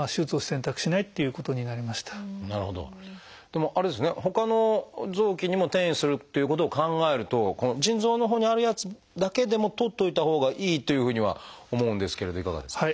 でもあれですねほかの臓器にも転移するっていうことを考えるとこの腎臓のほうにあるやつだけでもとっておいたほうがいいというふうには思うんですけれどいかがですか？